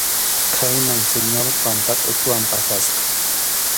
Khaynam Señor Pampakʼuchuwan pasasqa.